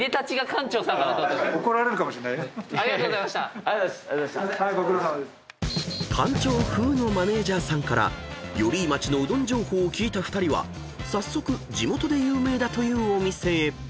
［館長風のマネジャーさんから寄居町のうどん情報を聞いた２人は早速地元で有名だというお店へ］